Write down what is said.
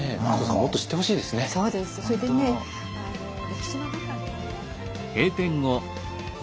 もっと知ってほしいですね。